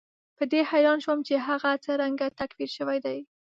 په دې حیران شوم چې هغه څرنګه تکفیر شوی دی.